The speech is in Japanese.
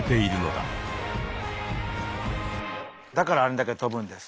だからあんだけとぶんです。